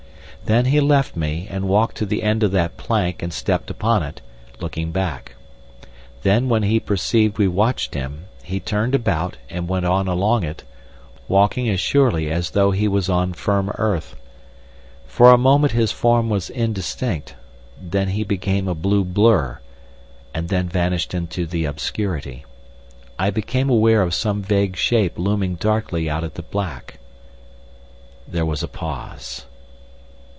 Then he left me, and walked to the end of that plank and stepped upon it, looking back. Then when he perceived we watched him, he turned about and went on along it, walking as surely as though he was on firm earth. For a moment his form was distinct, then he became a blue blur, and then vanished into the obscurity. I became aware of some vague shape looming darkly out of the black. There was a pause.